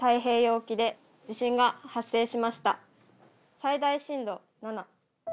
最大震度７。